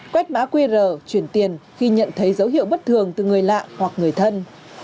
quách mã qr truyền tiền khi nhận thấy dấu hiệu bất thường từ người lạ hoặc người thân